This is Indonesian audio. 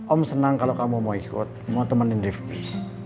om senang kalau kamu mau ikut mau temenin divi